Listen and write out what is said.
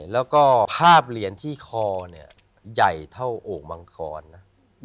แล้วก็ภาพเหรียญที่คอเนี่ยใหญ่เท่าโอ่งมังครนะ